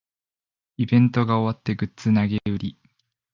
イベントが終わってグッズ投げ売り